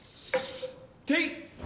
てい！